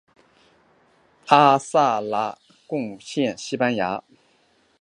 阿拉贡先驱报是西班牙阿拉贡自治区首府萨拉戈萨市发行的地区日报。